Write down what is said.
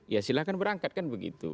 ya silahkan berangkat kan begitu